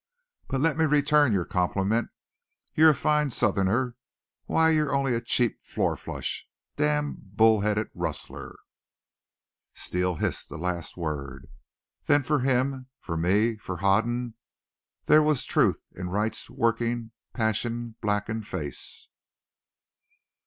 "But let me return your compliment. You're a fine Southerner! Why, you're only a cheap four flush damned bull headed rustler" Steele hissed the last word. Then for him for me for Hoden there was the truth in Wright's working passion blackened face.